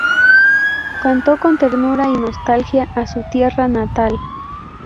Cantó con ternura y nostalgia a su tierra natal.